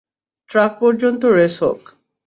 Truck পর্যন্ত race হোক।